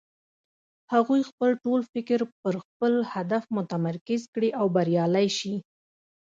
هغوی خپل ټول فکر پر خپل هدف متمرکز کړي او بريالی شي.